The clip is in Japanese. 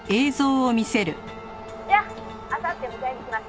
「じゃああさって迎えに来ます」